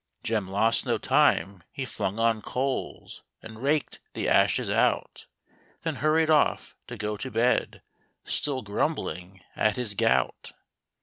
Jem lost no time ; he flung on coals, And raked the ashes out, Then hurried off to go to bed, Still grumbling at his gout.